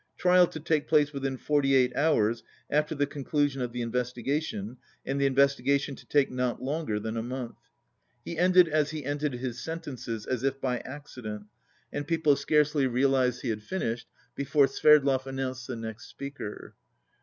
Trial to take place within forty eight hours after the conclusion of the inves tigation, and the investigation to take not longer than a month. He ended as he ended his sen tences, as if by accident, and people scarcely real H2 ized he had finished before Sverdlov announced the next speaker.